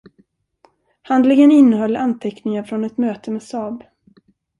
Handlingen innehöll anteckningar från ett möte med Saab.